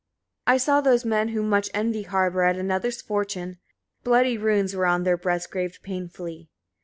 61. I saw those men who much envy harbour at another's fortune; bloody runes were on their breasts graved painfully.